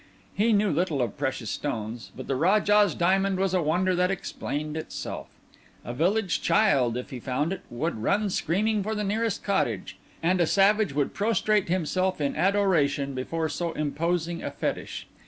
He knew little of precious stones; but the Rajah's Diamond was a wonder that explained itself; a village child, if he found it, would run screaming for the nearest cottage; and a savage would prostrate himself in adoration before so imposing a fetish.